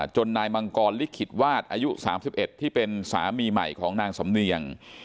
นายมังกรลิขิตวาดอายุ๓๑ที่เป็นสามีใหม่ของนางสำเนียง